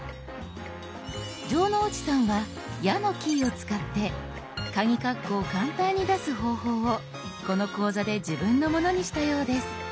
城之内さんは「や」のキーを使ってカギカッコを簡単に出す方法をこの講座で自分のものにしたようです。